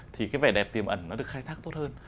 thì cái vẻ đẹp tiềm ẩn nó được khai thác tốt hơn